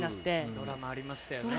ドラマありましたよね。